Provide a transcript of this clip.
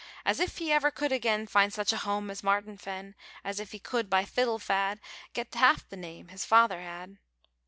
As if he ever could agen Find such a hoam as Martin Fen; As if he could, by fiddle fad, Get half the name his feyther had.